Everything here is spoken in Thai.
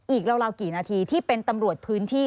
อีกเล่ากี่นาทีที่เป็นตำรวจพื้นที่